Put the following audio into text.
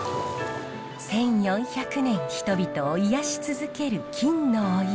１，４００年人々を癒やし続ける金のお湯。